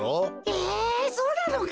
えそうなのか？